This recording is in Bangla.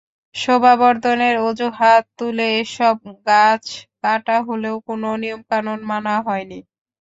শোভাবর্ধনের অজুহাত তুলে এসব গাছ কাটা হলেও কোনো নিয়মকানুন মানা হয়নি।